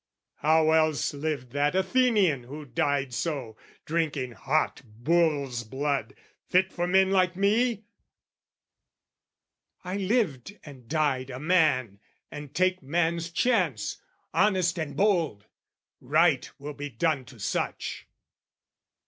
How else lived that Athenian who died so, Drinking hot bull's blood, fit for men like me? I lived and died a man, and take man's chance, Honest and bold: right will be done to such.